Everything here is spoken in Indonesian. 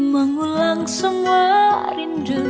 menyusahkan diri buat diluar